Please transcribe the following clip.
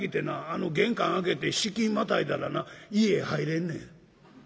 玄関開けて敷居またいだらな家へ入れんねん」。